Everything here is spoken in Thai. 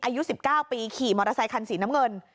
อายุ๑๙ปีขี่มอเตอร์ไซคันสีน้ำเงิน